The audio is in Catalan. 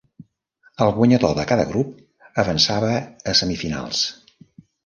El guanyador de cada grup avançava a semifinals.